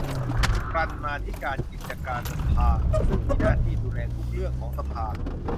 กรรมาธิการกิจการสภาซึ่งมีหน้าที่ดูแลทุกเรื่องของสภา